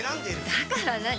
だから何？